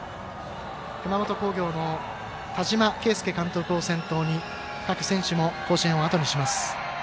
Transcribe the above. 熊本工業の田島圭介監督を先頭に各選手も甲子園をあとにします。